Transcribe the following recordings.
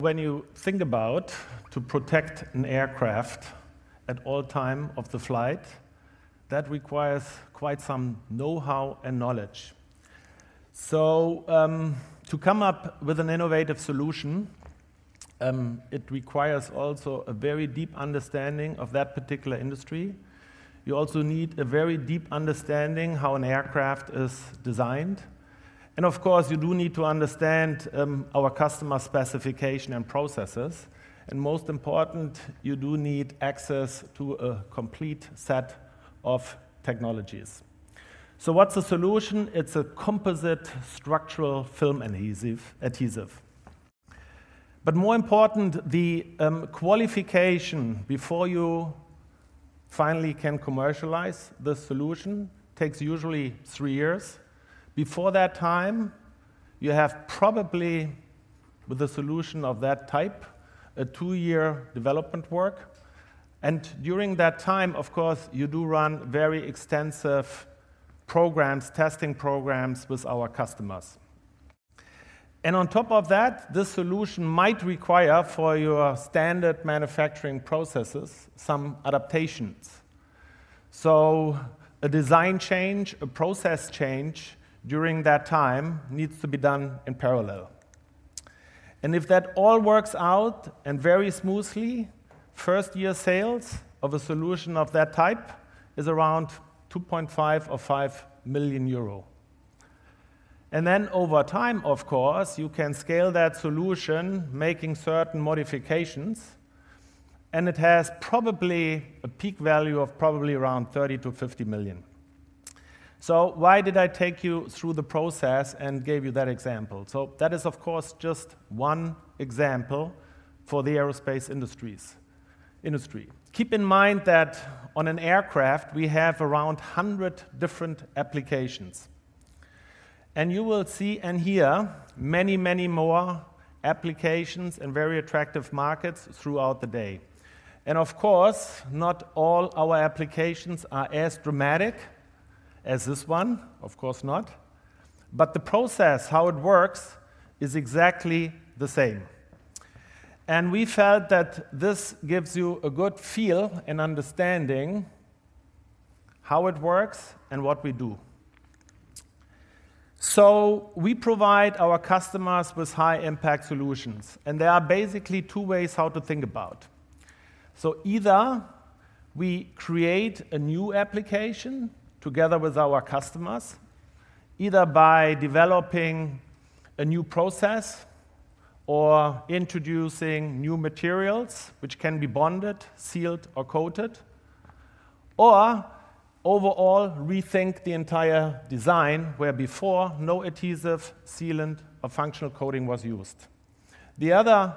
When you think about to protect an aircraft at all time of the flight, that requires quite some know-how and knowledge. To come up with an innovative solution, it requires also a very deep understanding of that particular industry. You also need a very deep understanding how an aircraft is designed. Of course, you do need to understand our customer specification and processes. Most important, you do need access to a complete set of technologies. What's the solution? It's a composite structural film adhesive. More important, the qualification before you finally can commercialize the solution takes usually three years. Before that time, you have probably, with the solution of that type, a two-year development work. During that time, of course, you do run very extensive programs, testing programs with our customers. On top of that, the solution might require for your standard manufacturing processes, some adaptations. A design change, a process change during that time needs to be done in parallel. If that all works out and very smoothly, first-year sales of a solution of that type is around 2.5 million or 5 million euro. Over time, of course, you can scale that solution, making certain modifications, and it has probably a peak value of probably around 30 million to 50 million. Why did I take you through the process and gave you that example? That is, of course, just one example for the aerospace industry. Keep in mind that on an aircraft, we have around 100 different applications. You will see and hear many, many more applications and very attractive markets throughout the day. Of course, not all our applications are as dramatic as this one. Of course not. The process, how it works is exactly the same. We felt that this gives you a good feel and understanding how it works and what we do. We provide our customers with high-impact solutions, and there are basically two ways how to think about. Either we create a new application together with our customers, either by developing a new process or introducing new materials which can be bonded, sealed, or coated, or overall rethink the entire design where before no adhesive, sealant, or functional coating was used. The other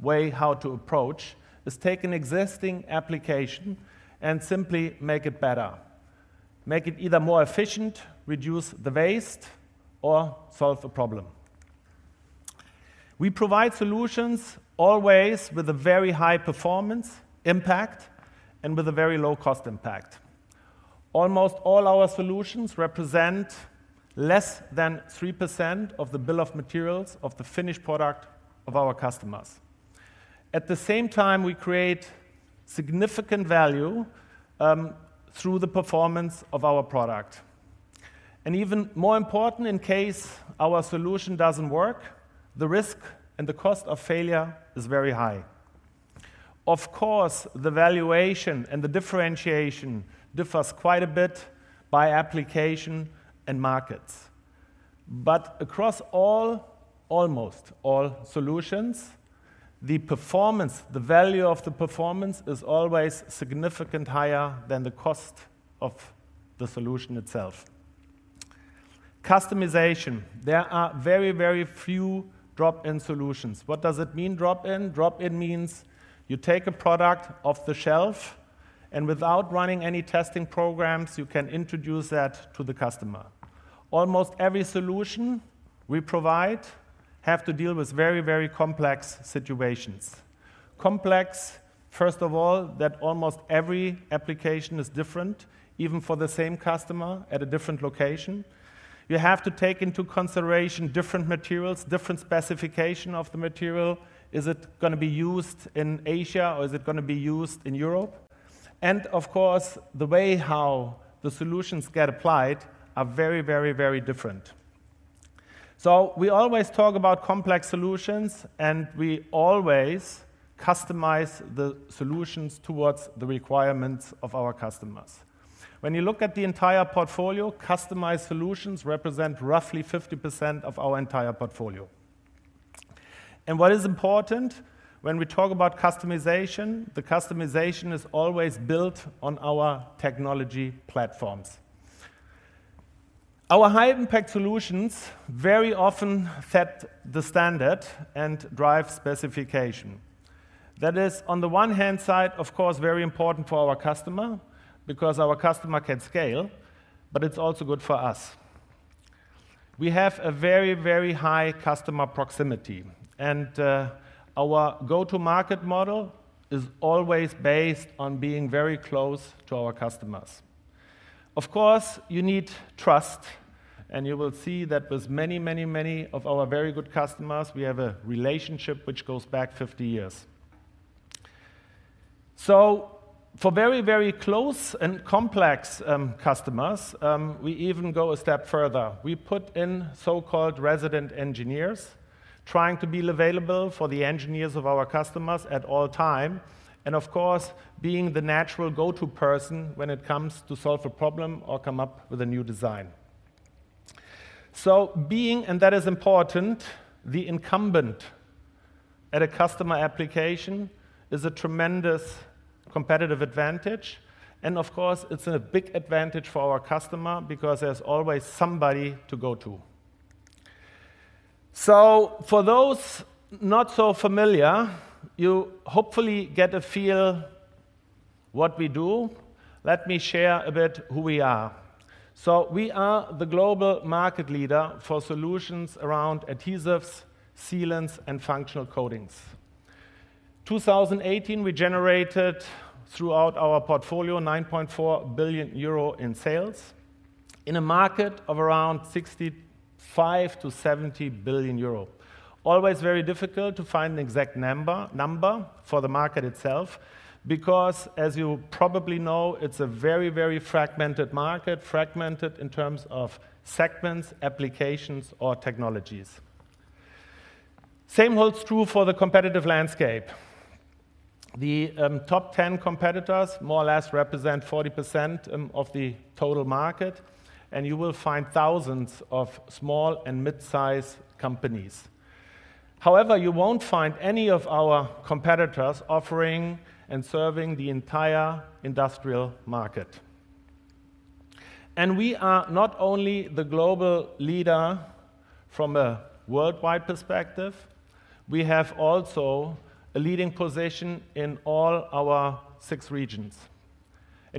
way how to approach is take an existing application and simply make it better. Make it either more efficient, reduce the waste, or solve a problem. We provide solutions always with a very high performance impact and with a very low cost impact. Almost all our solutions represent less than 3% of the bill of materials of the finished product of our customers. At the same time, we create significant value through the performance of our product. Even more important, in case our solution doesn't work, the risk and the cost of failure is very high. Of course, the valuation and the differentiation differs quite a bit by application and markets. Across almost all solutions, the performance, the value of the performance is always significant higher than the cost of the solution itself. Customization. There are very, very few drop-in solutions. What does it mean, drop-in? Drop-in means you take a product off the shelf, and without running any testing programs, you can introduce that to the customer. Almost every solution we provide have to deal with very, very complex situations. Complex, first of all, that almost every application is different, even for the same customer at a different location. You have to take into consideration different materials, different specification of the material. Is it going to be used in Asia or is it going to be used in Europe? Of course, the way how the solutions get applied are very, very, very different. We always talk about complex solutions, and we always customize the solutions towards the requirements of our customers. When you look at the entire portfolio, customized solutions represent roughly 50% of our entire portfolio. What is important when we talk about customization, the customization is always built on our technology platforms. Our high-impact solutions very often set the standard and drive specification. That is on the one-hand side, of course, very important for our customer because our customer can scale, it's also good for us. We have a very, very high customer proximity, and our go-to-market model is always based on being very close to our customers. Of course, you need trust, you will see that with many of our very good customers, we have a relationship which goes back 50 years. For very close and complex customers, we even go a step further. We put in so-called resident engineers, trying to be available for the engineers of our customers at all time, and of course, being the natural go-to person when it comes to solve a problem or come up with a new design. Being, and that is important, the incumbent at a customer application is a tremendous competitive advantage, and of course, it's a big advantage for our customer because there's always somebody to go to. For those not so familiar, you hopefully get a feel what we do. Let me share a bit who we are. We are the global market leader for solutions around adhesives, sealants, and functional coatings. 2018, we generated throughout our portfolio, 9.4 billion euro in sales in a market of around 65 billion-70 billion euro. Always very difficult to find the exact number for the market itself because as you probably know, it's a very fragmented market, fragmented in terms of segments, applications or technologies. Same holds true for the competitive landscape. The top 10 competitors more or less represent 40% of the total market, you will find thousands of small and mid-size companies. However, you won't find any of our competitors offering and serving the entire industrial market. We are not only the global leader from a worldwide perspective, we have also a leading position in all our six regions.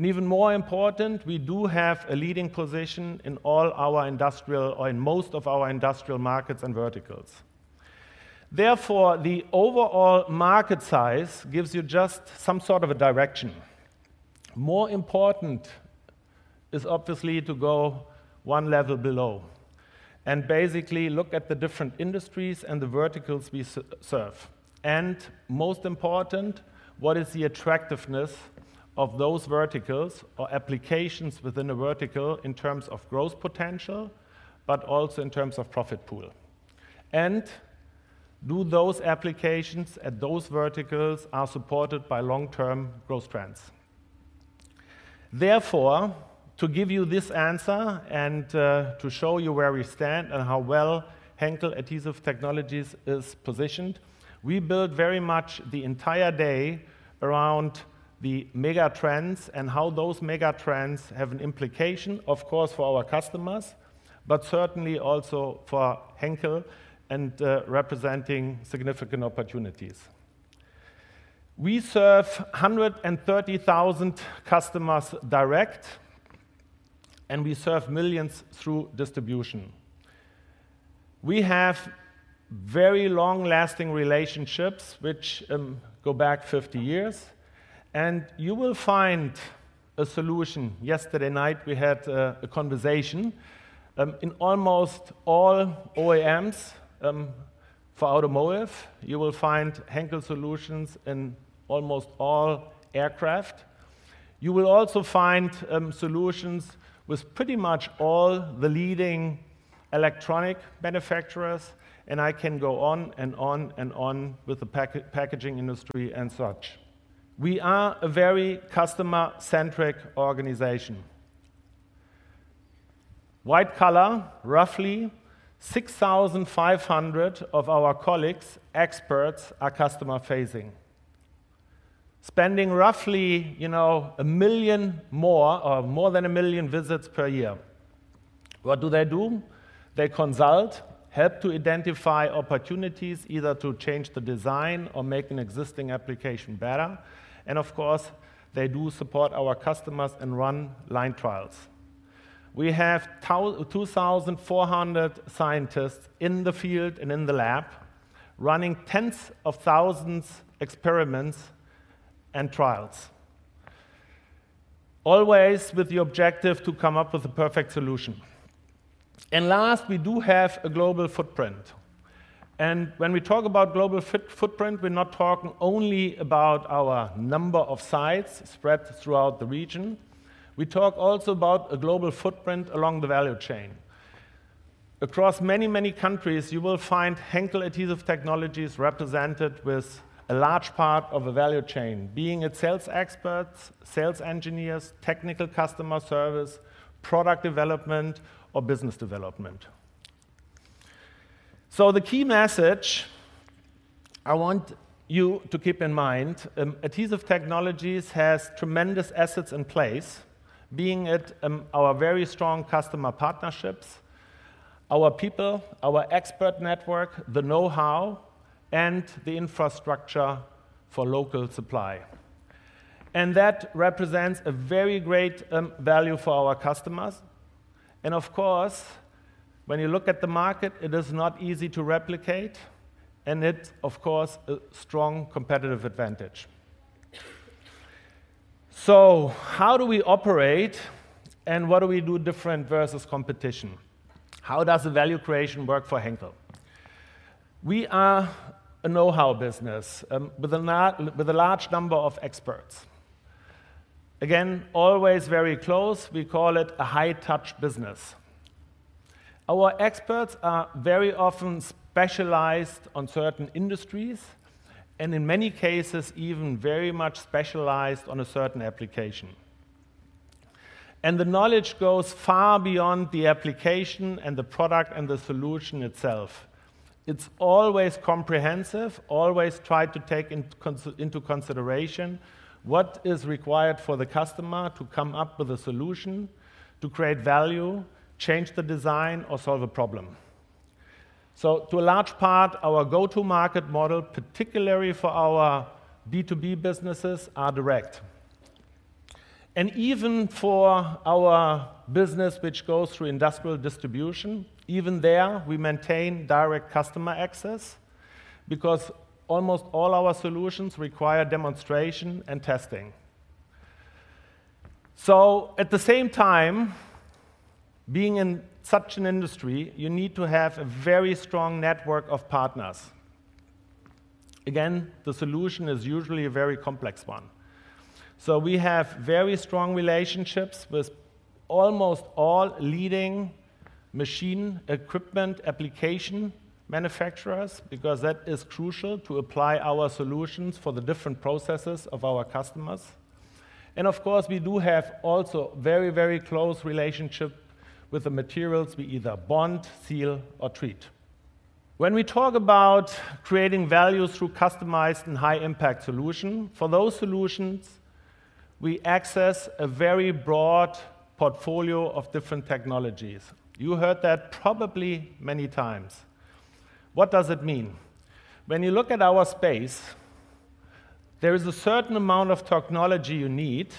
Even more important, we do have a leading position in all our industrial, or in most of our industrial markets and verticals. Therefore, the overall market size gives you just some sort of a direction. More important is obviously to go one level below and basically look at the different industries and the verticals we serve. Most important, what is the attractiveness of those verticals or applications within a vertical in terms of growth potential, but also in terms of profit pool. Those applications at those verticals are supported by long-term growth trends. Therefore, to give you this answer and to show you where we stand and how well Henkel Adhesive Technologies is positioned, we build very much the entire day around the mega trends and how those mega trends have an implication, of course, for our customers, but certainly also for Henkel and representing significant opportunities. We serve 130,000 customers direct, and we serve millions through distribution. We have very long-lasting relationships, which go back 50 years, and you will find a solution. Yesterday night we had a conversation. In almost all OEMs, for automotive, you will find Henkel solutions in almost all aircraft. You will also find solutions with pretty much all the leading electronic manufacturers, and I can go on and on with the packaging industry and such. We are a very customer-centric organization. White collar, roughly 6,500 of our colleagues, experts, are customer-facing, spending roughly more than 1 million visits per year. What do they do? They consult, help to identify opportunities, either to change the design or make an existing application better, and of course, they do support our customers and run line trials. We have 2,400 scientists in the field and in the lab running tens of thousands experiments and trials, always with the objective to come up with the perfect solution. Last, we do have a global footprint. When we talk about global footprint, we're not talking only about our number of sites spread throughout the region. We talk also about a global footprint along the value chain. Across many countries, you will find Henkel Adhesive Technologies represented with a large part of the value chain, being its sales experts, sales engineers, technical customer service, product development or business development. The key message I want you to keep in mind, Adhesive Technologies has tremendous assets in place, being it our very strong customer partnerships, our people, our expert network, the know-how, and the infrastructure for local supply. That represents a very great value for our customers. Of course, when you look at the market, it is not easy to replicate, and it's of course a strong competitive advantage. How do we operate and what do we do different versus competition? How does the value creation work for Henkel? We are a know-how business with a large number of experts. Again, always very close. We call it a high-touch business. Our experts are very often specialized on certain industries and in many cases, even very much specialized on a certain application. The knowledge goes far beyond the application and the product and the solution itself. It's always comprehensive, always try to take into consideration what is required for the customer to come up with a solution to create value, change the design, or solve a problem. To a large part, our go-to-market model, particularly for our B2B businesses, are direct. Even for our business, which goes through industrial distribution, even there, we maintain direct customer access because almost all our solutions require demonstration and testing. At the same time, being in such an industry, you need to have a very strong network of partners. Again, the solution is usually a very complex one. We have very strong relationships with almost all leading machine equipment application manufacturers because that is crucial to apply our solutions for the different processes of our customers. Of course, we do have also very close relationship with the materials we either bond, seal, or treat. When we talk about creating value through customized and high-impact solution, for those solutions, we access a very broad portfolio of different technologies. You heard that probably many times. What does it mean? When you look at our space, there is a certain amount of technology you need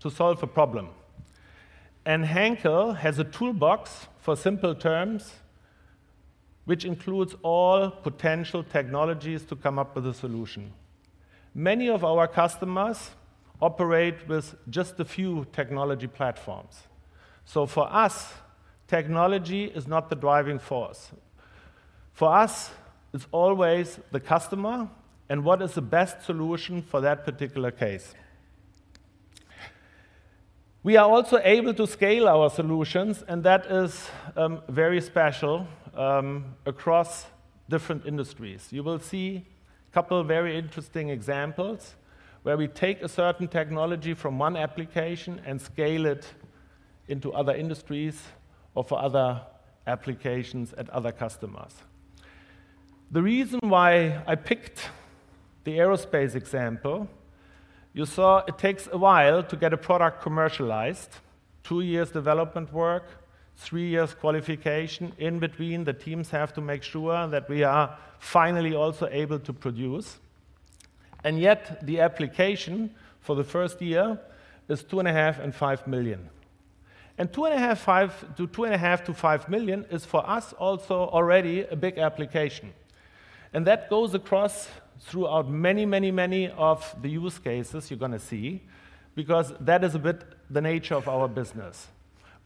to solve a problem, Henkel has a toolbox for simple terms, which includes all potential technologies to come up with a solution. Many of our customers operate with just a few technology platforms. For us, technology is not the driving force. For us, it's always the customer and what is the best solution for that particular case. We are also able to scale our solutions, and that is very special, across different industries. You will see a couple of very interesting examples where we take a certain technology from one application and scale it into other industries or for other applications at other customers. The reason why I picked the aerospace example, you saw it takes a while to get a product commercialized, two years development work, three years qualification. In between, the teams have to make sure that we are finally also able to produce. Yet the application for the first year is two and a half million and 5 million. Two and a half million to 5 million is for us also already a big application. That goes across throughout many of the use cases you're going to see, because that is a bit the nature of our business.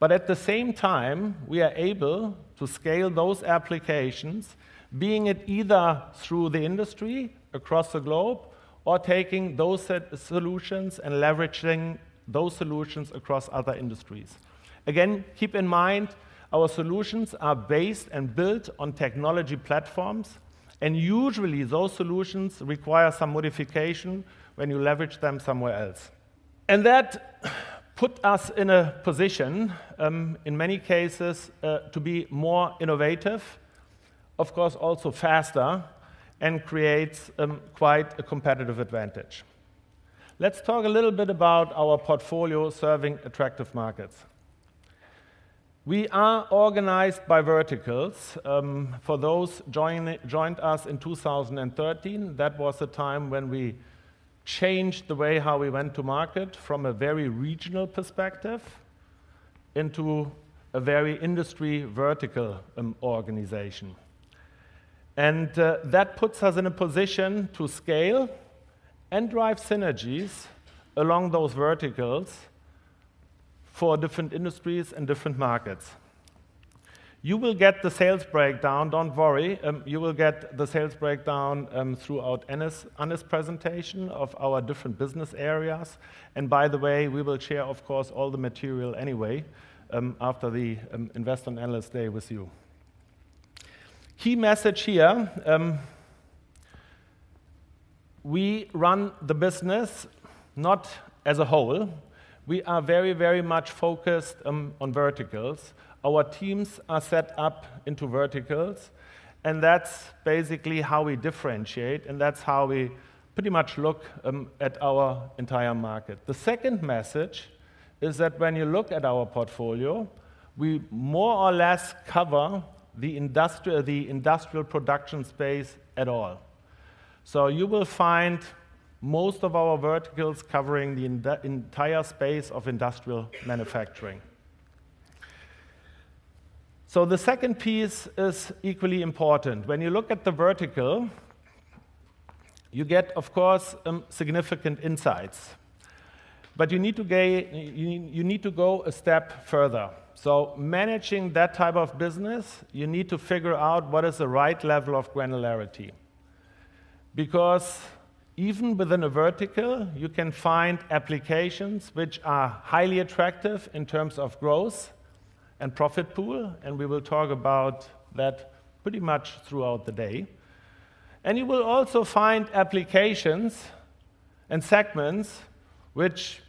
At the same time, we are able to scale those applications, being it either through the industry across the globe or taking those set solutions and leveraging those solutions across other industries. Again, keep in mind, our solutions are based and built on technology platforms, and usually those solutions require some modification when you leverage them somewhere else. That put us in a position, in many cases, to be more innovative, of course, also faster, and creates quite a competitive advantage. Let's talk a little bit about our portfolio serving attractive markets. We are organized by verticals. For those joined us in 2013, that was the time when we changed the way how we went to market from a very regional perspective into a very industry vertical organization. That puts us in a position to scale and drive synergies along those verticals for different industries and different markets. You will get the sales breakdown, don't worry. You will get the sales breakdown throughout Anders' presentation of our different business areas. By the way, we will share, of course, all the material anyway, after the investor and analyst day with you. Key message here, we run the business not as a whole. We are very much focused on verticals. Our teams are set up into verticals, that's basically how we differentiate, that's how we pretty much look at our entire market. The second message is that when you look at our portfolio, we more or less cover the industrial production space at all. You will find most of our verticals covering the entire space of industrial manufacturing. The second piece is equally important. When you look at the vertical, you get, of course, significant insights. You need to go a step further. Managing that type of business, you need to figure out what is the right level of granularity. Even within a vertical, you can find applications which are highly attractive in terms of growth and profit pool, and we will talk about that pretty much throughout the day. You will also find applications and segments which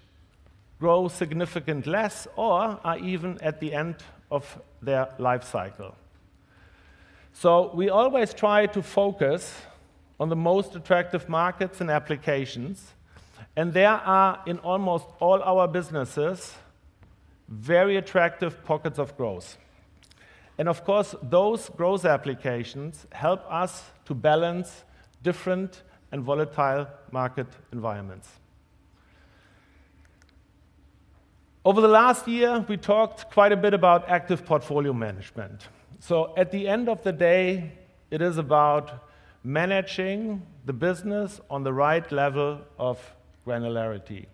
grow significant less or are even at the end of their life cycle. We always try to focus on the most attractive markets and applications, and there are, in almost all our businesses, very attractive pockets of growth. Of course, those growth applications help us to balance different and volatile market environments. Over the last year, we talked quite a bit about active portfolio management. At the end of the day, it is about managing the business on the right level of granularity.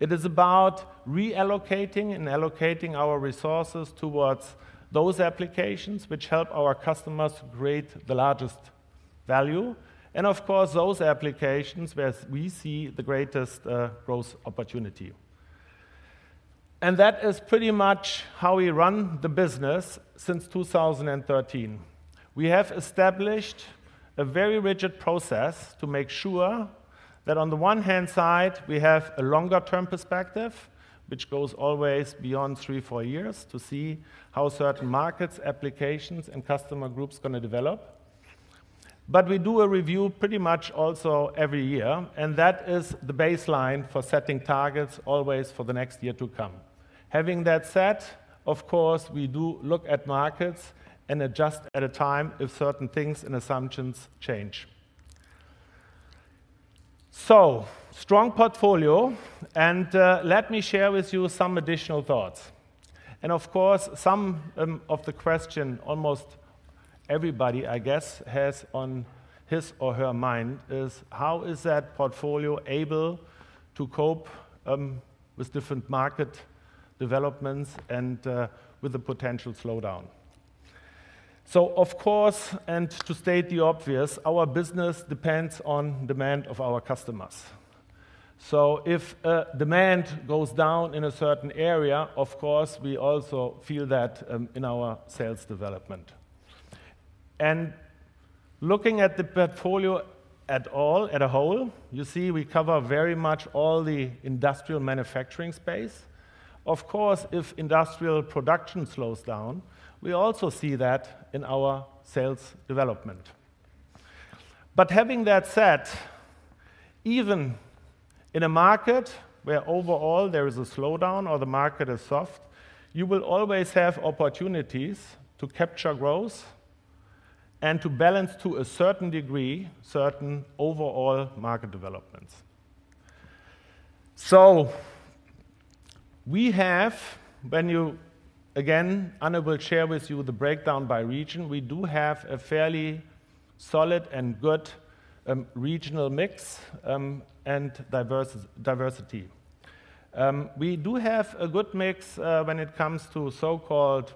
It is about reallocating and allocating our resources towards those applications which help our customers create the largest value. Of course, those applications where we see the greatest growth opportunity. That is pretty much how we run the business since 2013. We have established a very rigid process to make sure that on the one hand side, we have a longer term perspective, which goes always beyond three, four years to see how certain markets, applications, and customer groups are going to develop. We do a review pretty much also every year, and that is the baseline for setting targets always for the next year to come. Having that said, of course, we do look at markets and adjust at a time if certain things and assumptions change. Strong portfolio, and let me share with you some additional thoughts. Of course, some of the question almost everybody, I guess, has on his or her mind is. How is that portfolio able to cope with different market developments and with the potential slowdown? Of course, to state the obvious, our business depends on demand of our customers. If demand goes down in a certain area, of course, we also feel that in our sales development. Looking at the portfolio at a whole, you see we cover very much all the industrial manufacturing space. Of course, if industrial production slows down, we also see that in our sales development. Having that said, even in a market where overall there is a slowdown or the market is soft, you will always have opportunities to capture growth and to balance to a certain degree, certain overall market developments. We have, again, Anne will share with you the breakdown by region. We do have a fairly solid and good regional mix, and diversity. We do have a good mix when it comes to so-called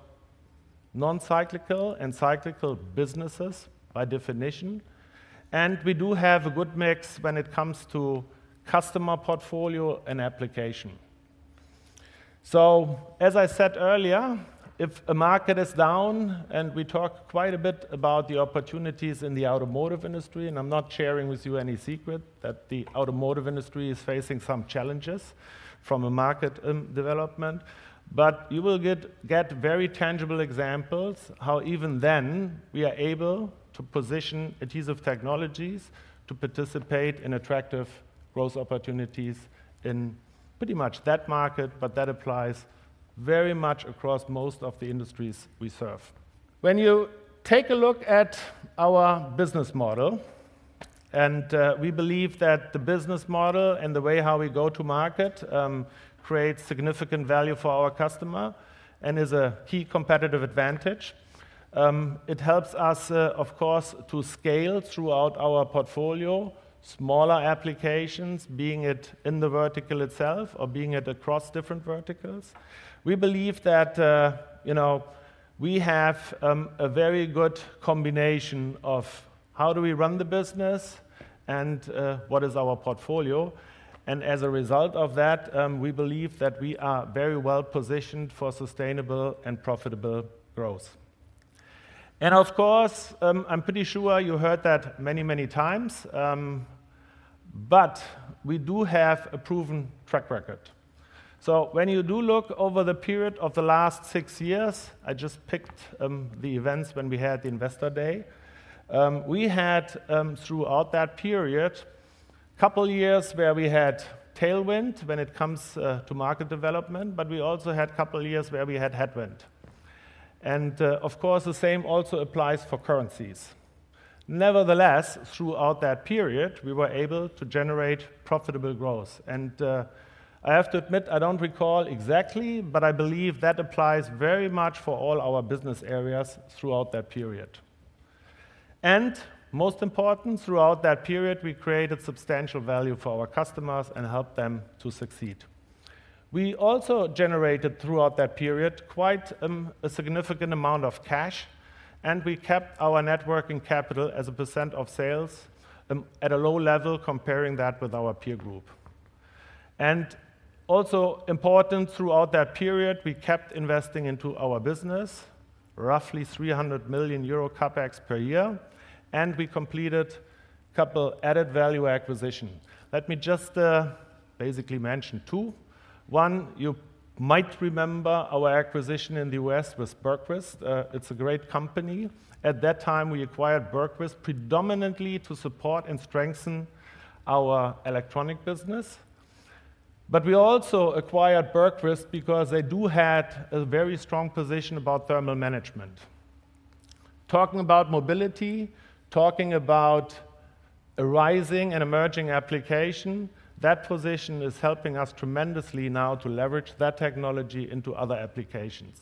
non-cyclical and cyclical businesses by definition. We do have a good mix when it comes to customer portfolio and application. As I said earlier, if a market is down, we talk quite a bit about the opportunities in the automotive industry. I am not sharing with you any secret that the automotive industry is facing some challenges from a market development. You will get very tangible examples how even then we are able to position Adhesive Technologies to participate in attractive growth opportunities in pretty much that market, but that applies very much across most of the industries we serve. You take a look at our business model, we believe that the business model and the way how we go to market creates significant value for our customer and is a key competitive advantage. It helps us, of course, to scale throughout our portfolio, smaller applications, being it in the vertical itself or being it across different verticals. We believe that we have a very good combination of how do we run the business and what is our portfolio. As a result of that, we believe that we are very well-positioned for sustainable and profitable growth. Of course, I'm pretty sure you heard that many times, but we do have a proven track record. When you do look over the period of the last six years, I just picked the events when we had the Investor Day. We had, throughout that period, couple of years where we had tailwind when it comes to market development. We also had couple of years where we had headwind. Of course, the same also applies for currencies. Nevertheless, throughout that period, we were able to generate profitable growth. I have to admit, I don't recall exactly, but I believe that applies very much for all our business areas throughout that period. Most important, throughout that period, we created substantial value for our customers and helped them to succeed. We also generated, throughout that period, quite a significant amount of cash. We kept our net working capital as a % of sales at a low level, comparing that with our peer group. Also important throughout that period, we kept investing into our business, roughly 300 million euro CapEx per year. We completed couple added-value acquisitions. Let me just basically mention two. One, you might remember our acquisition in the West was Bergquist. It's a great company. At that time, we acquired Bergquist predominantly to support and strengthen our electronic business. We also acquired Bergquist because they do have a very strong position about thermal management. Talking about mobility, talking about a rising and emerging application, that position is helping us tremendously now to leverage that technology into other applications.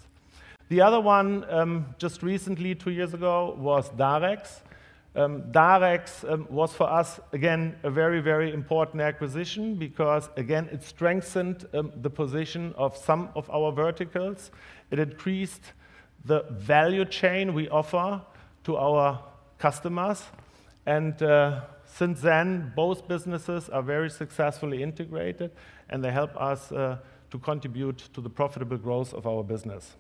The other one, just recently, two years ago, was Darex. Darex was for us, again, a very important acquisition because, again, it strengthened the position of some of our verticals. It increased the value chain we offer to our customers. Since then, both businesses are very successfully integrated. They help us to contribute to the profitable growth of our business.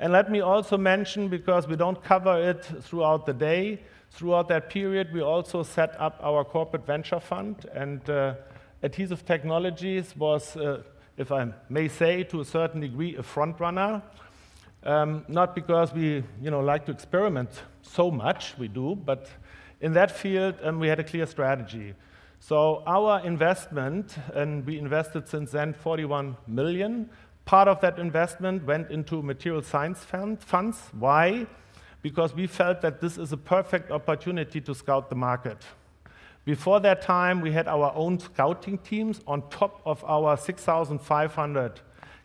Let me also mention, because we don't cover it throughout the day, throughout that period, we also set up our corporate venture fund, and Adhesive Technologies was, if I may say, to a certain degree, a frontrunner. Not because we like to experiment so much, we do, but in that field. We had a clear strategy. Our investment, we invested since then 41 million, part of that investment went into material science funds. Why? We felt that this is a perfect opportunity to scout the market. Before that time, we had our own scouting teams on top of our 6,500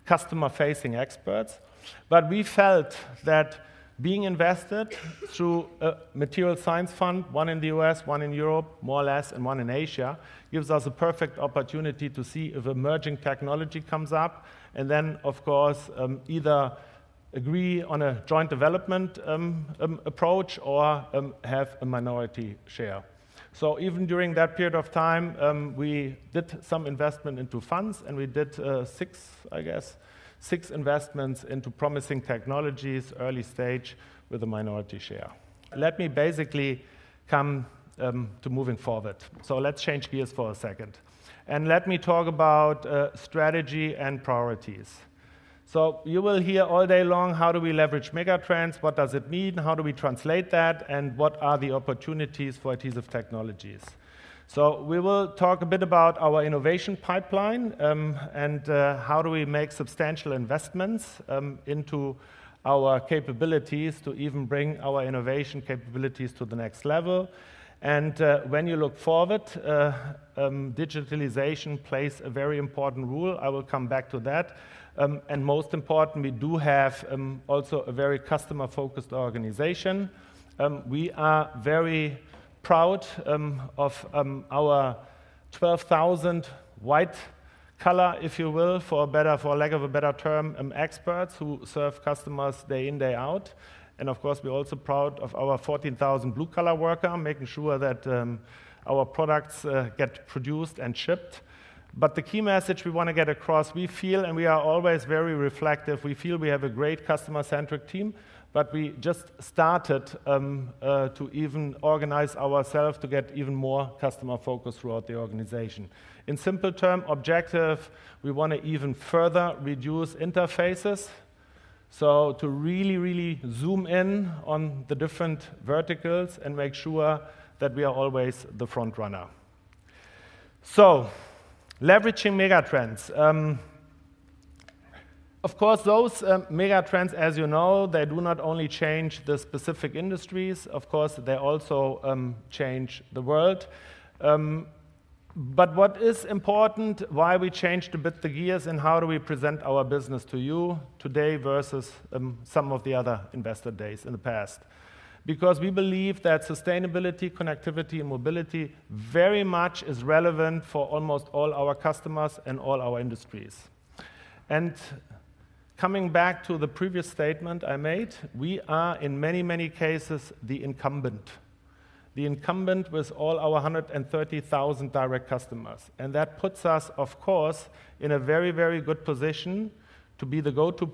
customer-facing experts. We felt that being invested through a material science fund, one in the U.S., one in Europe, more or less, and one in Asia, gives us a perfect opportunity to see if emerging technology comes up. Of course, either agree on a joint development approach or have a minority share. Even during that period of time, we did some investment into funds. We did six investments into promising technologies, early stage, with a minority share. Let me basically come to moving forward. Let's change gears for a second. Let me talk about strategy and priorities. You will hear all day long, how do we leverage megatrends? What does it mean? How do we translate that? What are the opportunities for Adhesive Technologies? We will talk a bit about our innovation pipeline. How do we make substantial investments into our capabilities to even bring our innovation capabilities to the next level. When you look forward, digitalization plays a very important role. I will come back to that. Most important, we do have also a very customer-focused organization. We are very proud of our 12,000 white-collar, if you will, for lack of a better term, experts who serve customers day in, day out. Of course, we're also proud of our 14,000 blue-collar worker, making sure that our products get produced and shipped. The key message we want to get across, we feel. We are always very reflective. We feel we have a great customer-centric team. We just started to even organize ourselves to get even more customer-focused throughout the organization. In simple term, objective, we want to even further reduce interfaces. To really zoom in on the different verticals. Make sure that we are always the frontrunner. Leveraging megatrends. Of course, those megatrends, as you know, they do not only change the specific industries, of course, they also change the world. What is important, why we changed a bit the gears. How do we present our business to you today versus some of the other investor days in the past. We believe that sustainability, connectivity, and mobility very much is relevant for almost all our customers and all our industries. Coming back to the previous statement I made, we are in many cases, the incumbent. The incumbent with all our 130,000 direct customers. That puts us, of course, in a very good position to be the go-to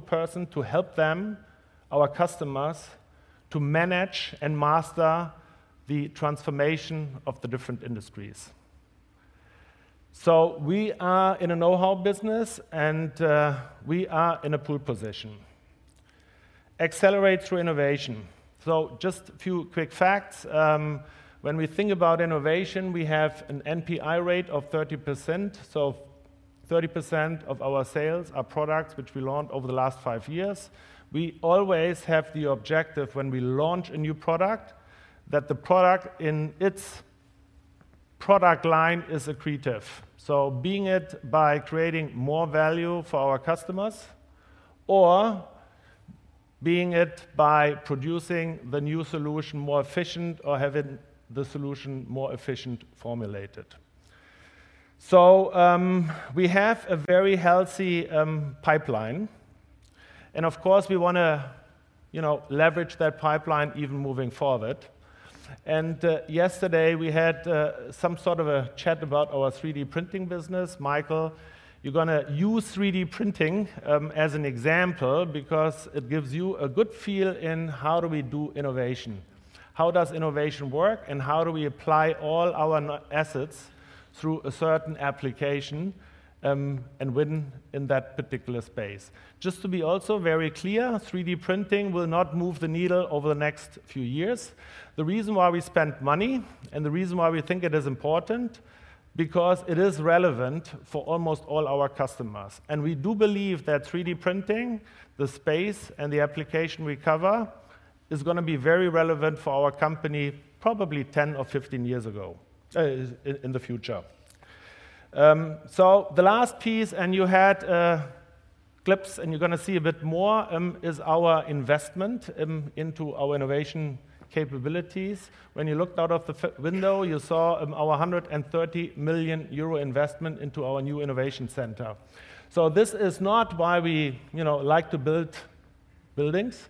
person to help them, our customers, to manage and master the transformation of the different industries. We are in a know-how business. We are in a pole position. Accelerate through innovation. Just a few quick facts. When we think about innovation, we have an NPI rate of 30%. 30% of our sales are products which we launched over the last five years. We always have the objective when we launch a new product, that the product in its product line is accretive. Being it by creating more value for our customers, or being it by producing the new solution more efficient or having the solution more efficient formulated. We have a very healthy pipeline, and of course, we want to leverage that pipeline even moving forward. Yesterday we had some sort of a chat about our 3D printing business. Michael, you're going to use 3D printing as an example because it gives you a good feel in how do we do innovation, how does innovation work, and how do we apply all our assets through a certain application, and win in that particular space. Just to be also very clear, 3D printing will not move the needle over the next few years. The reason why we spend money and the reason why we think it is important, because it is relevant for almost all our customers. We do believe that 3D printing, the space and the application we cover, is going to be very relevant for our company probably 10 or 15 years in the future. The last piece, and you had clips, and you're going to see a bit more, is our investment into our innovation capabilities. When you looked out of the window, you saw our 130 million euro investment into our new innovation center. This is not why we like to build buildings.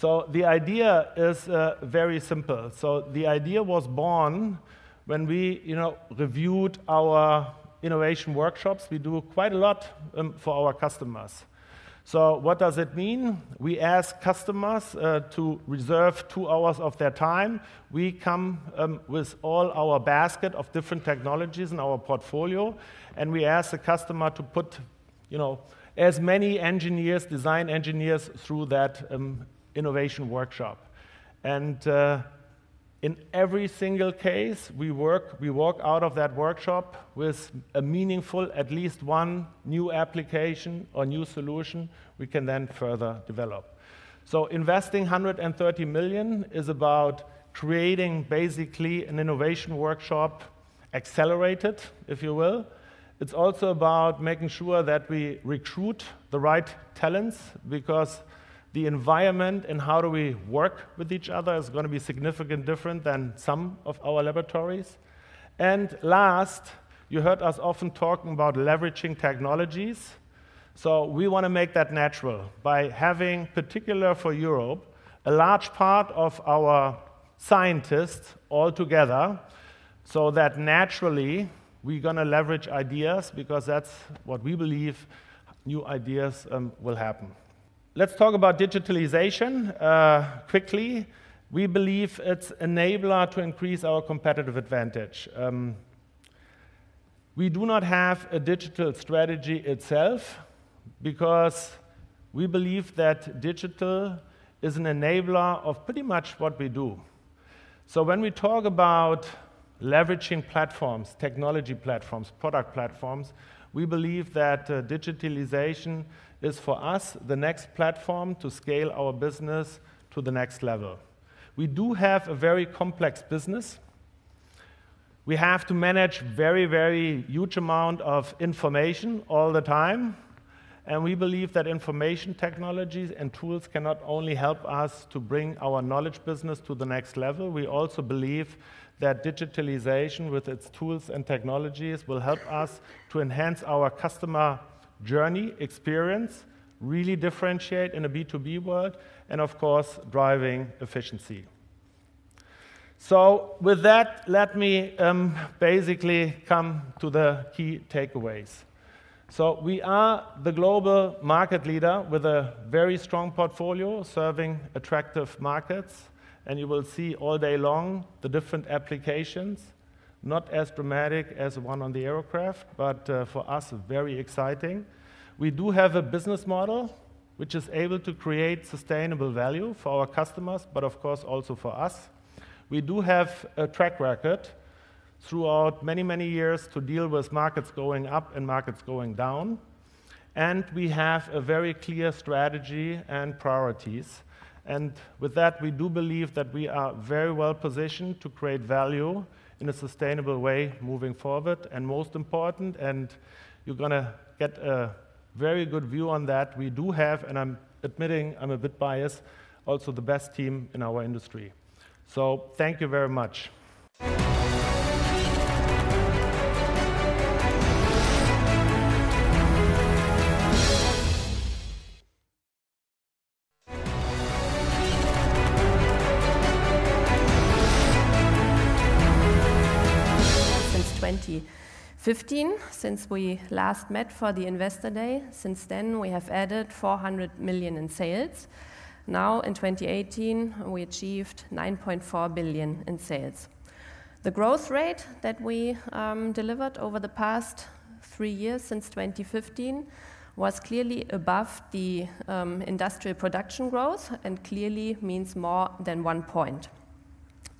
The idea is very simple. The idea was born when we reviewed our innovation workshops. We do quite a lot for our customers. What does it mean? We ask customers to reserve two hours of their time. We come with all our basket of different technologies in our portfolio, and we ask the customer to put as many design engineers through that innovation workshop. In every single case, we walk out of that workshop with a meaningful at least one new application or new solution we can then further develop. Investing 130 million is about creating basically an innovation workshop, accelerated, if you will. It's also about making sure that we recruit the right talents because the environment and how do we work with each other is going to be significant different than some of our laboratories. Last, you heard us often talking about leveraging technologies. We want to make that natural by having, particular for Europe, a large part of our scientists all together so that naturally we're going to leverage ideas because that's what we believe new ideas will happen. Let's talk about digitalization quickly. We believe it's enabler to increase our competitive advantage. We do not have a digital strategy itself because we believe that digital is an enabler of pretty much what we do. When we talk about leveraging platforms, technology platforms, product platforms, we believe that digitalization is for us, the next platform to scale our business to the next level. We do have a very complex business. We have to manage very huge amount of information all the time, and we believe that information technologies and tools cannot only help us to bring our knowledge business to the next level, we also believe that digitalization with its tools and technologies will help us to enhance our customer journey experience, really differentiate in a B2B world, and of course, driving efficiency. With that, let me basically come to the key takeaways. We are the global market leader with a very strong portfolio serving attractive markets, and you will see all day long the different applications, not as dramatic as the one on the aircraft, but for us, very exciting. We do have a business model which is able to create sustainable value for our customers, but of course, also for us. We do have a track record throughout many years to deal with markets going up and markets going down. We have a very clear strategy and priorities. With that, we do believe that we are very well-positioned to create value in a sustainable way moving forward. Most important, and you're going to get a very good view on that, we do have, and I'm admitting I'm a bit biased, also the best team in our industry. Thank you very much. Since 2015, since we last met for the Investor Day, since then, we have added 400 million in sales. In 2018, we achieved 9.4 billion in sales. The growth rate that we delivered over the past three years since 2015 was clearly above the industrial production growth and clearly means more than one point.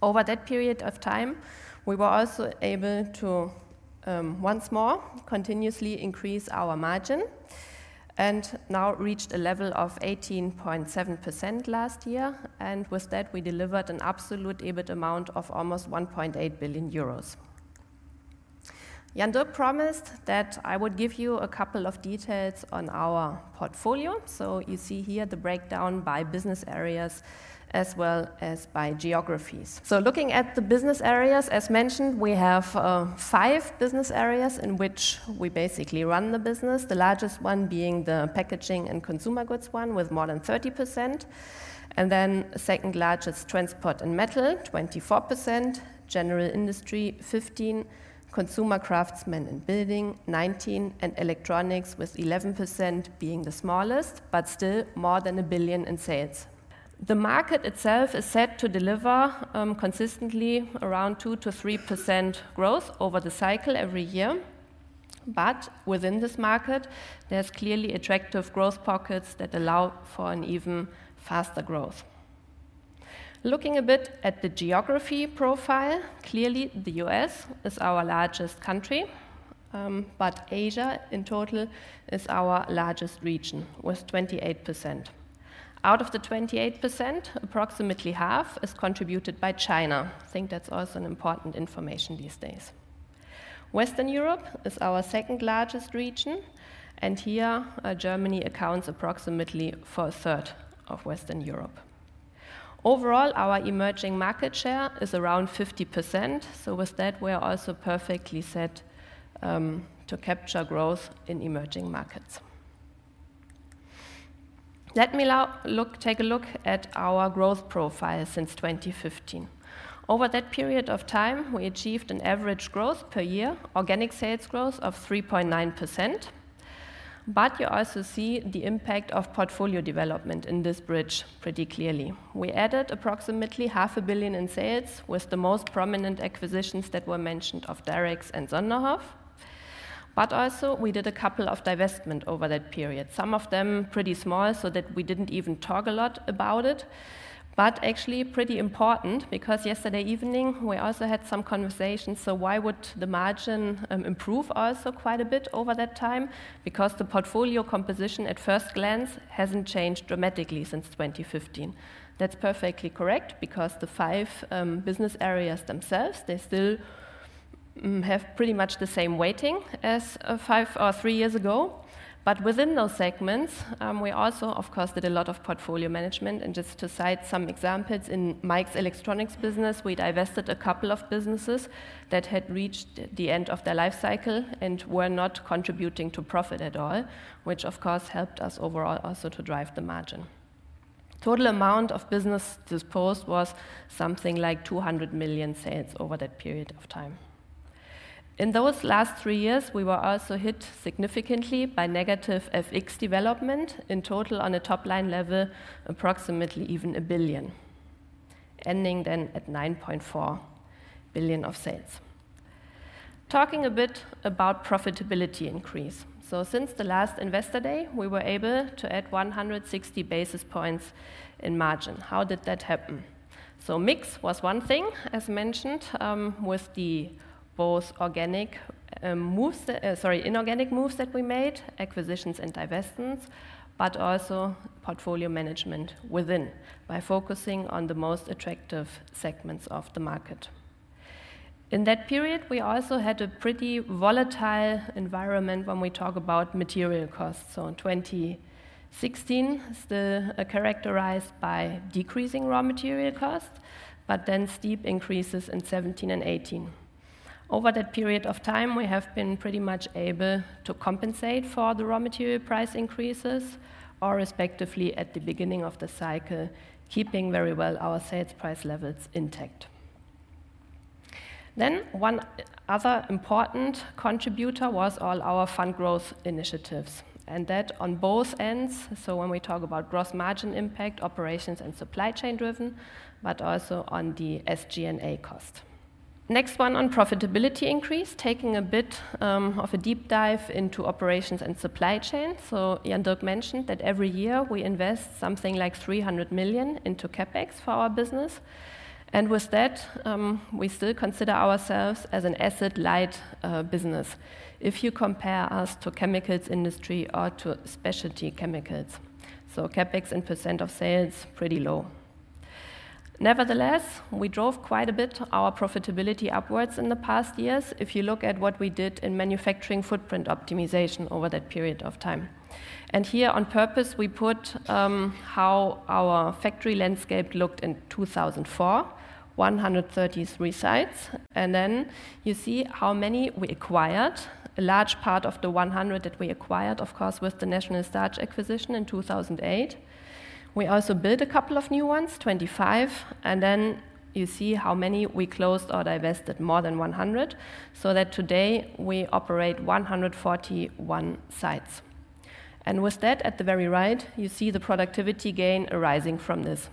Over that period of time, we were also able to, once more, continuously increase our margin and now reached a level of 18.7% last year. With that, we delivered an absolute EBIT amount of almost 1.8 billion euros. Jan-Dirk promised that I would give you a couple of details on our portfolio. You see here the breakdown by business areas as well as by geographies. Looking at the business areas, as mentioned, we have five business areas in which we basically run the business, the largest one being the Packaging and Consumer Goods one with more than 30%. Second largest, Transport and Metal, 24%, General Industry, 15%, consumer Craftsmen and building, 19%, and Electronics with 11% being the smallest, but still more than 1 billion in sales. The market itself is set to deliver consistently around 2%-3% growth over the cycle every year. Within this market, there's clearly attractive growth pockets that allow for an even faster growth. Looking a bit at the geography profile, clearly the U.S. is our largest country, but Asia in total is our largest region with 28%. Out of the 28%, approximately half is contributed by China. I think that's also important information these days. Western Europe is our second largest region, here, Germany accounts approximately for a third of Western Europe. Overall, our emerging market share is around 50%. With that, we are also perfectly set to capture growth in emerging markets. Let me now take a look at our growth profile since 2015. Over that period of time, we achieved an average growth per year, organic sales growth of 3.9%, but you also see the impact of portfolio development in this bridge pretty clearly. We added approximately half a billion EUR in sales with the most prominent acquisitions that were mentioned of Darex and Sonderhoff. Also we did a couple of divestment over that period. Some of them pretty small so that we didn't even talk a lot about it, actually pretty important because yesterday evening we also had some conversations. Why would the margin improve also quite a bit over that time? The portfolio composition at first glance hasn't changed dramatically since 2015. That's perfectly correct. The five business areas themselves still have pretty much the same weighting as five or three years ago. Within those segments, we also of course did a lot of portfolio management. Just to cite some examples, in Mike's Electronics business, we divested a couple of businesses that had reached the end of their life cycle and were not contributing to profit at all, which of course helped us overall also to drive the margin. Total amount of business disposed was something like 200 million sales over that period of time. In those last three years, we were also hit significantly by negative FX development in total on a top-line level, approximately even 1 billion, ending then at 9.4 billion of sales. Talking a bit about profitability increase. Since the last Investor Day, we were able to add 160 basis points in margin. How did that happen? Mix was one thing, as mentioned, with the both inorganic moves that we made, acquisitions and divestments, but also portfolio management within, by focusing on the most attractive segments of the market. In that period, we also had a pretty volatile environment when we talk about material costs. 2016 is characterized by decreasing raw material cost, but then steep increases in 2017 and 2018. Over that period of time, we have been pretty much able to compensate for the raw material price increases or respectively at the beginning of the cycle, keeping very well our sales price levels intact. One other important contributor was all our fund growth initiatives, and that on both ends. When we talk about gross margin impact, operations, and supply chain driven, but also on the SGA cost. Next one on profitability increase, taking a bit of a deep dive into operations and supply chain. Jan-Dirk mentioned that every year we invest something like 300 million into CapEx for our business. With that, we still consider ourselves as an asset-light business if you compare us to chemicals industry or to specialty chemicals. CapEx and % of sales, pretty low. Nevertheless, we drove quite a bit our profitability upwards in the past years if you look at what we did in manufacturing footprint optimization over that period of time. Here on purpose, we put how our factory landscape looked in 2004, 133 sites. Then you see how many we acquired. A large part of the 100 that we acquired, of course, with the National Starch acquisition in 2008. We also built a couple of new ones, 25. Then you see how many we closed or divested, more than 100. That today we operate 141 sites. With that at the very right, you see the productivity gain arising from this.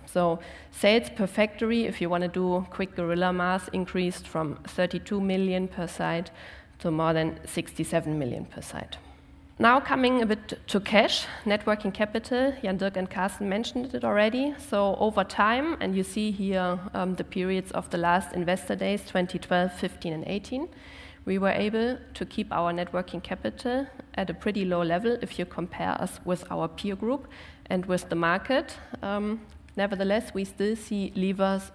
Sales per factory, if you want to do quick guerrilla math, increased from 32 million per site to more than 67 million per site. Coming a bit to cash, net working capital, Jan-Dirk and [Carsten] mentioned it already. Over time, and you see here the periods of the last Investor Days, 2012, 2015, and 2018, we were able to keep our net working capital at a pretty low level if you compare us with our peer group and with the market. Nevertheless, we still see levers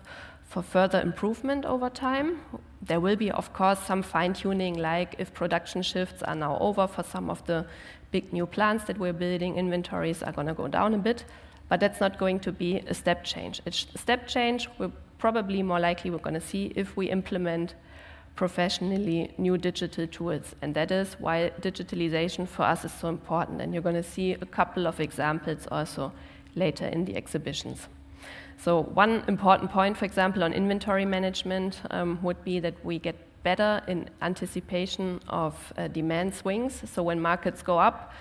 for further improvement over time. There will be, of course, some fine-tuning, like if production shifts are now over for some of the big new plants that we're building, inventories are going to go down a bit, but that's not going to be a step change. A step change, probably more likely we're going to see if we implement professionally new digital tools, and that is why digitalization for us is so important, and you're going to see a couple of examples also later in the exhibitions. One important point, for example, on inventory management, would be that we get better in anticipation of demand swings. When markets go up,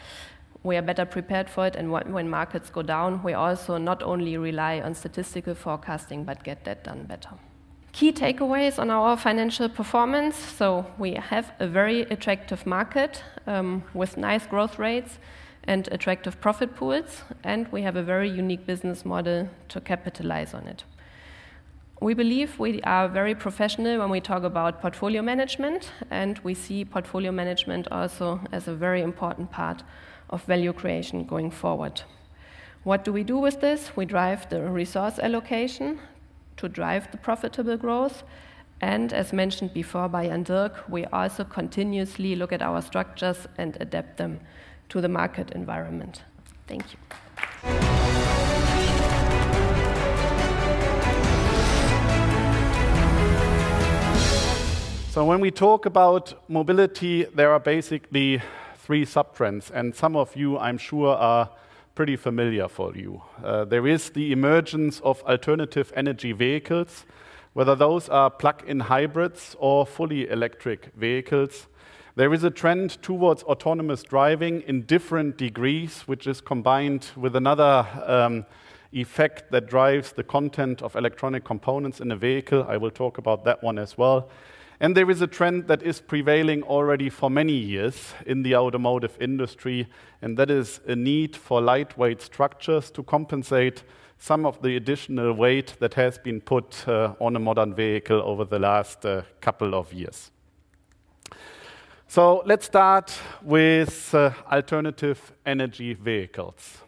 we are better prepared for it, and when markets go down, we also not only rely on statistical forecasting, but get that done better. Key takeaways on our financial performance. We have a very attractive market with nice growth rates and attractive profit pools, and we have a very unique business model to capitalize on it. We believe we are very professional when we talk about portfolio management, and we see portfolio management also as a very important part of value creation going forward. What do we do with this? We drive the resource allocation to drive the profitable growth, and as mentioned before by Jan-Dirk, we also continuously look at our structures and adapt them to the market environment. Thank you. When we talk about mobility, there are basically three sub-trends, and some of you, I'm sure are pretty familiar for you. There is the emergence of alternative energy vehicles, whether those are plug-in hybrids or fully electric vehicles. There is a trend towards autonomous driving in different degrees, which is combined with another effect that drives the content of electronic components in a vehicle. I will talk about that one as well. There is a trend that is prevailing already for many years in the automotive industry, and that is a need for lightweight structures to compensate some of the additional weight that has been put on a modern vehicle over the last couple of years. Let's start with alternative energy vehicles.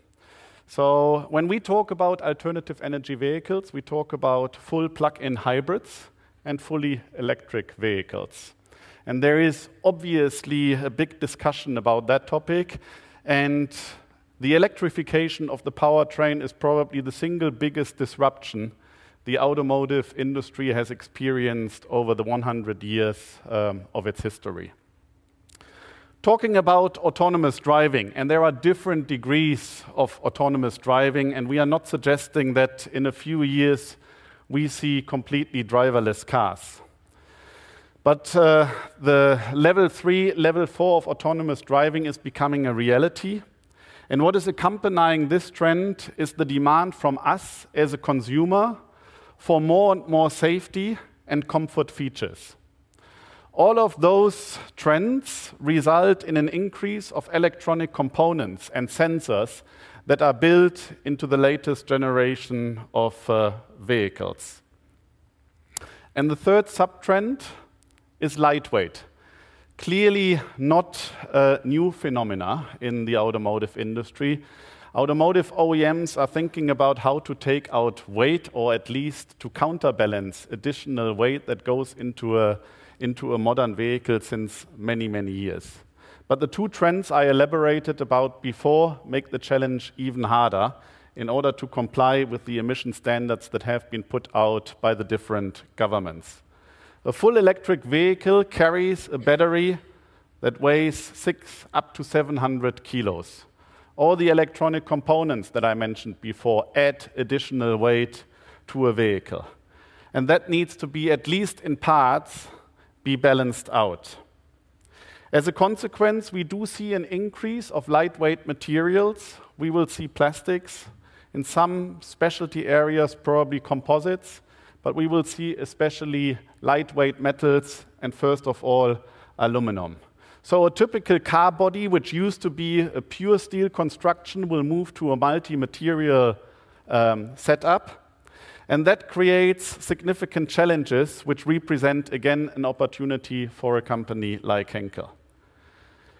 When we talk about alternative energy vehicles, we talk about full plug-in hybrids and fully electric vehicles. There is obviously a big discussion about that topic. The electrification of the powertrain is probably the single biggest disruption the automotive industry has experienced over the 100 years of its history. Talking about autonomous driving, there are different degrees of autonomous driving. We are not suggesting that in a few years we see completely driverless cars. The level 3, level 4 of autonomous driving is becoming a reality, what is accompanying this trend is the demand from us as a consumer for more and more safety and comfort features. All of those trends result in an increase of electronic components and sensors that are built into the latest generation of vehicles. The third sub-trend is lightweight. Clearly not a new phenomenon in the automotive industry. Automotive OEMs are thinking about how to take out weight or at least to counterbalance additional weight that goes into a modern vehicle since many, many years. The two trends I elaborated about before make the challenge even harder in order to comply with the emission standards that have been put out by the different governments. A full electric vehicle carries a battery that weighs six up to 700 kilos. All the electronic components that I mentioned before add additional weight to a vehicle, that needs to be, at least in parts, be balanced out. As a consequence, we do see an increase of lightweight materials. We will see plastics. In some specialty areas, probably composites. We will see especially lightweight metals and first of all, aluminum. A typical car body, which used to be a pure steel construction, will move to a multi-material setup. That creates significant challenges, which represent, again, an opportunity for a company like Henkel.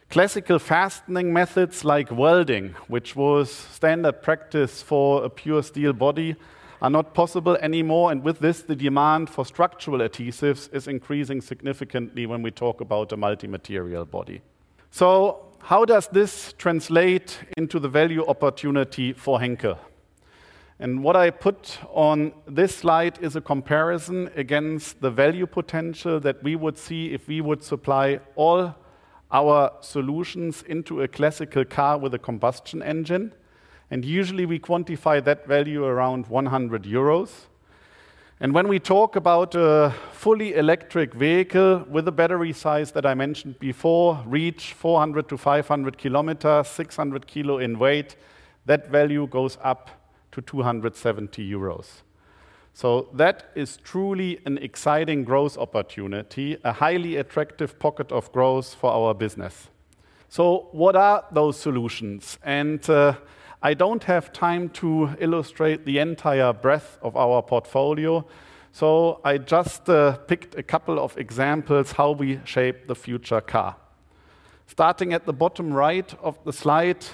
Classical fastening methods like welding, which was standard practice for a pure steel body, are not possible anymore. With this, the demand for structural adhesives is increasing significantly when we talk about a multi-material body. How does this translate into the value opportunity for Henkel? What I put on this slide is a comparison against the value potential that we would see if we would supply all our solutions into a classical car with a combustion engine. Usually, we quantify that value around 100 euros. When we talk about a fully electric vehicle with a battery size that I mentioned before, reach 400 km-500 km, 600 kilo in weight, that value goes up to 270 euros. That is truly an exciting growth opportunity, a highly attractive pocket of growth for our business. What are those solutions? I don't have time to illustrate the entire breadth of our portfolio, so I just picked a couple of examples how we shape the future car. Starting at the bottom right of the slide,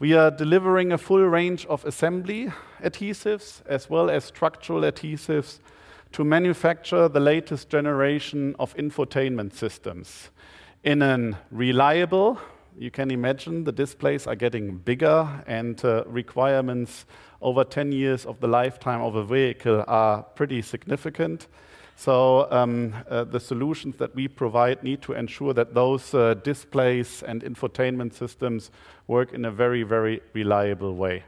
we are delivering a full range of assembly adhesives as well as structural adhesives to manufacture the latest generation of infotainment systems in a reliable, you can imagine the displays are getting bigger and requirements over 10 years of the lifetime of a vehicle are pretty significant. The solutions that we provide need to ensure that those displays and infotainment systems work in a very reliable way.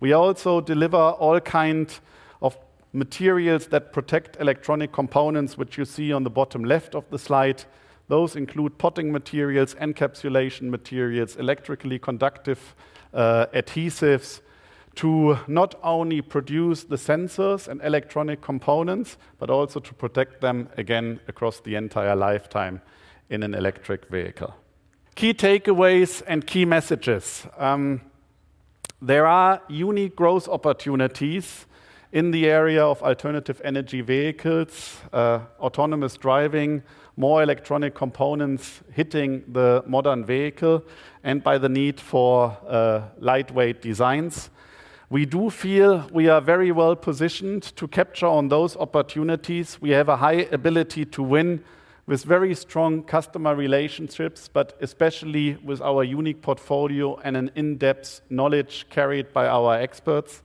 We also deliver all kinds of materials that protect electronic components, which you see on the bottom left of the slide. Those include potting materials, encapsulation materials, electrically conductive adhesives to not only produce the sensors and electronic components, but also to protect them again across the entire lifetime in an electric vehicle. Key takeaways and key messages. There are unique growth opportunities in the area of alternative energy vehicles, autonomous driving, more electronic components hitting the modern vehicle, and by the need for lightweight designs. We do feel we are very well positioned to capture on those opportunities. We have a high ability to win with very strong customer relationships, but especially with our unique portfolio and an in-depth knowledge carried by our experts.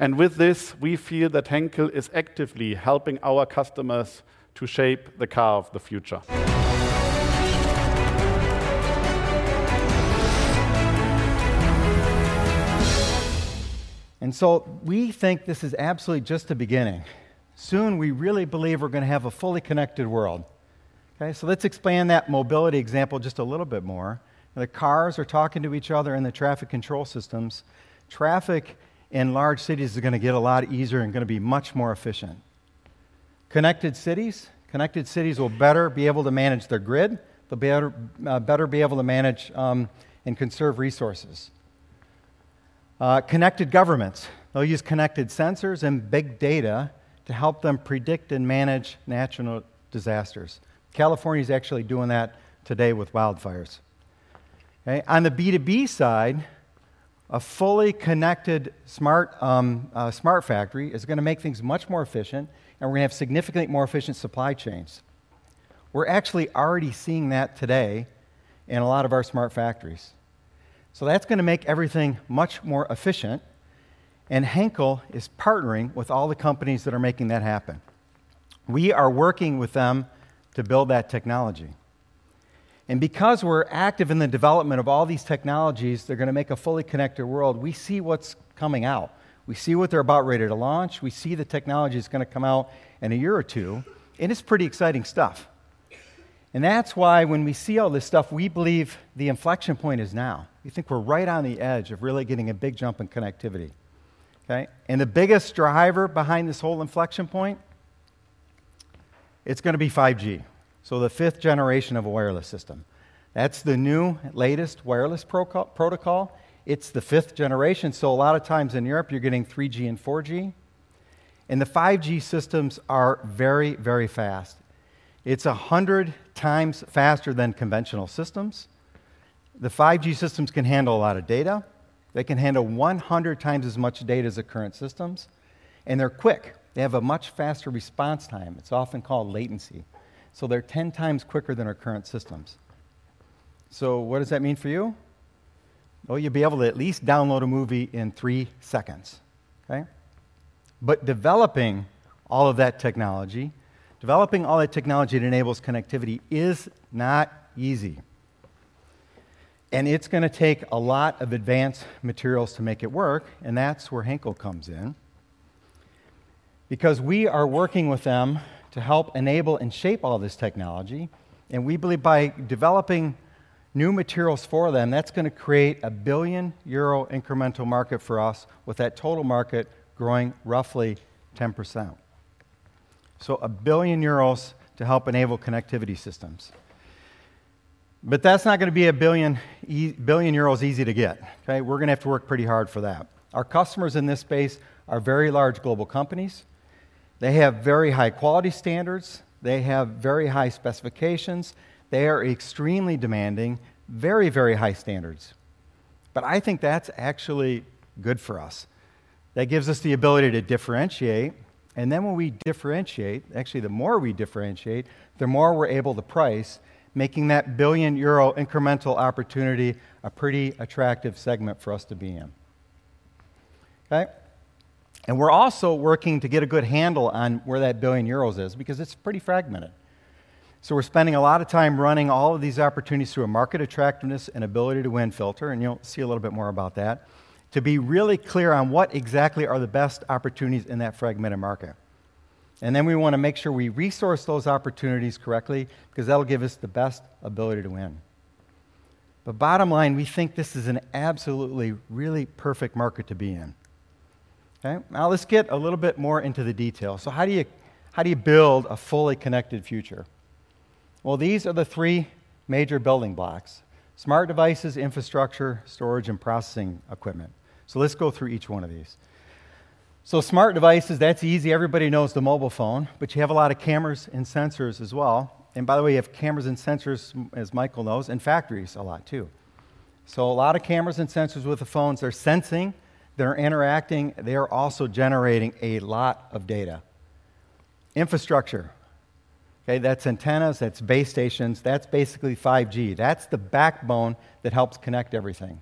With this, we feel that Henkel is actively helping our customers to shape the car of the future. We think this is absolutely just the beginning. Soon, we really believe we're going to have a fully connected world. Okay? Let's expand that mobility example just a little bit more. The cars are talking to each other and the traffic control systems. Traffic in large cities is going to get a lot easier and going to be much more efficient. Connected cities. Connected cities will better be able to manage their grid. They'll better be able to manage and conserve resources. Connected governments. They'll use connected sensors and big data to help them predict and manage natural disasters. California's actually doing that today with wildfires. Okay? On the B2B side, a fully connected smart factory is going to make things much more efficient, and we're going to have significantly more efficient supply chains. We're actually already seeing that today in a lot of our smart factories. That's going to make everything much more efficient, and Henkel is partnering with all the companies that are making that happen. We are working with them to build that technology. Because we're active in the development of all these technologies that are going to make a fully connected world, we see what's coming out. We see what they're about ready to launch. We see the technology that's going to come out in a year or two, and it's pretty exciting stuff. That's why when we see all this stuff, we believe the inflection point is now. We think we're right on the edge of really getting a big jump in connectivity. Okay? The biggest driver behind this whole inflection point, it's going to be 5G. The fifth generation of a wireless system. That's the new, latest wireless protocol. It's the fifth generation. A lot of times in Europe, you're getting 3G and 4G. The 5G systems are very fast. It's 100 times faster than conventional systems. The 5G systems can handle a lot of data. They can handle 100 times as much data as the current systems. They're quick. They have a much faster response time. It's often called latency. They're 10 times quicker than our current systems. What does that mean for you? Well, you'll be able to at least download a movie in three seconds. Okay. Developing all of that technology that enables connectivity is not easy. It's going to take a lot of advanced materials to make it work. That's where Henkel comes in. We are working with them to help enable and shape all this technology. We believe by developing new materials for them, that's going to create a billion-euro incremental market for us with that total market growing roughly 10%. A 1 billion euros to help enable connectivity systems. That's not going to be 1 billion euros easy to get. Okay. We're going to have to work pretty hard for that. Our customers in this space are very large global companies. They have very high quality standards. They have very high specifications. They are extremely demanding. Very high standards. I think that's actually good for us. That gives us the ability to differentiate. When we differentiate, the more we differentiate, the more we're able to price, making that billion-euro incremental opportunity a pretty attractive segment for us to be in. Okay. We're also working to get a good handle on where that 1 billion euros is because it's pretty fragmented. We're spending a lot of time running all of these opportunities through a market attractiveness and ability to win filter. You'll see a little bit more about that, to be really clear on what exactly are the best opportunities in that fragmented market. We want to make sure we resource those opportunities correctly, because that'll give us the best ability to win. Bottom line, we think this is an absolutely, really perfect market to be in. Okay. Now let's get a little bit more into the detail. How do you build a fully connected future? Well, these are the three major building blocks, smart devices, infrastructure, storage, and processing equipment. Let's go through each one of these. Smart devices, that's easy. Everybody knows the mobile phone. You have a lot of cameras and sensors as well. By the way, you have cameras and sensors, as Michael knows, in factories a lot, too. A lot of cameras and sensors with the phones. They're sensing, they're interacting, they are also generating a lot of data. Infrastructure. Okay. That's antennas, that's base stations, that's basically 5G. That's the backbone that helps connect everything.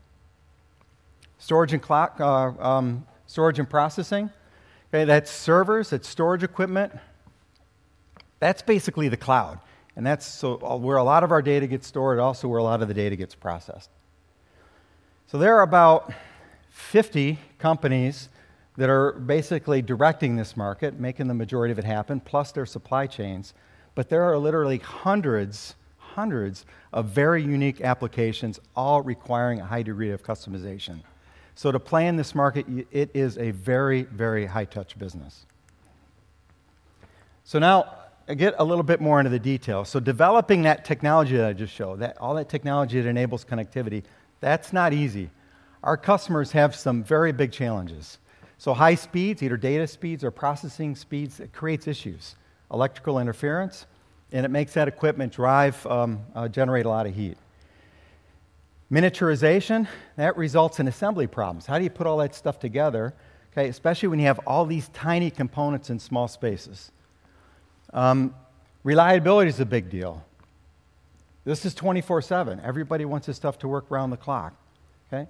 Storage and processing. Okay. That's servers, that's storage equipment. That's basically the cloud. That's where a lot of our data gets stored, also where a lot of the data gets processed. There are about 50 companies that are basically directing this market, making the majority of it happen, plus their supply chains. There are literally hundreds of very unique applications, all requiring a high degree of customization. To play in this market, it is a very high-touch business. Now I get a little bit more into the detail. Developing that technology that I just showed, all that technology that enables connectivity, that's not easy. Our customers have some very big challenges. High speeds, either data speeds or processing speeds, it creates issues. Electrical interference, and it makes that equipment generate a lot of heat. Miniaturization, that results in assembly problems. How do you put all that stuff together, okay, especially when you have all these tiny components in small spaces? Reliability's a big deal. This is 24/7. Everybody wants this stuff to work around the clock, okay?